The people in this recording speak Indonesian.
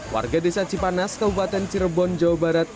warga desa cipanas kabupaten cirebon jawa barat